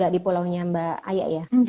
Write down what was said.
di pulau nya mbak aya ya